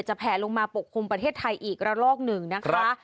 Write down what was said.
แผลลงมาปกคลุมประเทศไทยอีกระลอกหนึ่งนะคะ